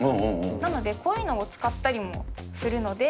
なので、こういうのを使ったりもするので。